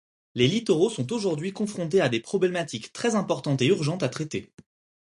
Les littoraux sont aujourd'hui confrontés à des problématiques très importantes et urgentes à traiter.